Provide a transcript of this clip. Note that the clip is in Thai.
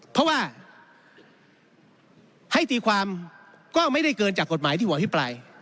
เพราะว่าให้ตีความก็ไม่ได้เกินจากกฎหมายที่ผมอภิปราย